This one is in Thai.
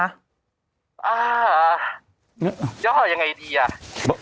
อ่าย่อยังไงดีอ่ะ